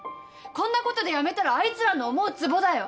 こんなことでやめたらあいつらの思うつぼだよ。